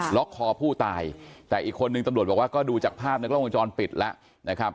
ล็อกคอผู้ตายแต่อีกคนนึงตำรวจบอกว่าก็ดูจากภาพในกล้องวงจรปิดแล้วนะครับ